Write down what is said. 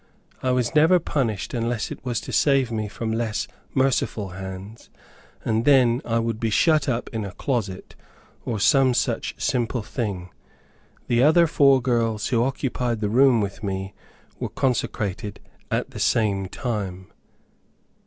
I was never punished unless it was to save me from less merciful hands; and then I would be shut up in a closet, or some such simple thing. The other four girls who occupied the room with me, were consecrated at the same time.